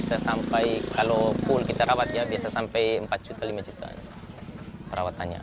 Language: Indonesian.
biasanya bisa sampai kalau full kita rawatnya biasa sampai empat juta lima jutaan perawatannya